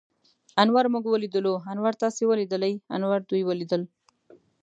انور موږ وليدلو. انور تاسې وليدليٙ؟ انور دوی وليدل.